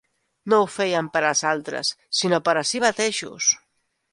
No ho feien per als altres, sinó per a si mateixos.